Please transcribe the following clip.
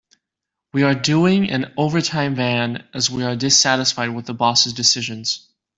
We are doing an overtime ban as we are dissatisfied with the boss' decisions.